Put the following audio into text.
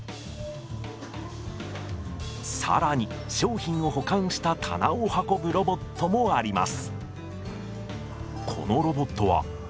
更に商品を保管した棚を運ぶロボットもあります。